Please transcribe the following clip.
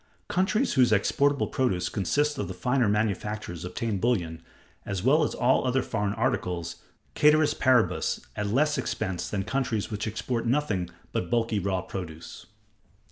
Countries whose exportable produce consists of the finer manufactures obtain bullion, as well as all other foreign articles, cæteris paribus, at less expense than countries which export nothing but bulky raw produce.